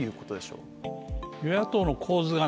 与野党の構図がね